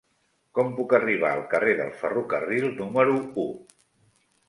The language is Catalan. Com puc arribar al carrer del Ferrocarril número u?